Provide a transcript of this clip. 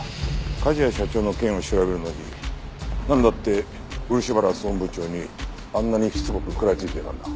梶谷社長の件を調べるのになんだって漆原総務部長にあんなにしつこく食らいついていたんだ？